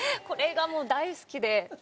これがもう大好きで。